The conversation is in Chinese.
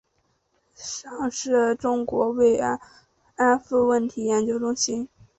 上师大中国慰安妇问题研究中心